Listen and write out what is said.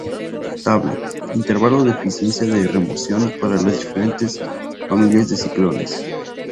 Tabla: Intervalo de eficiencia de remoción para las diferentes familias de ciclones.